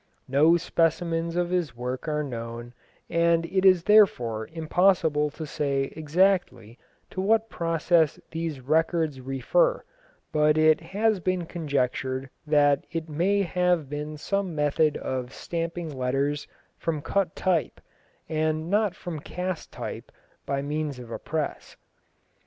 No specimens of his work are known, and it is therefore impossible to say exactly to what process these records refer, but it has been conjectured that it may have been some method of stamping letters from cut type, and not from cast type by means of a press.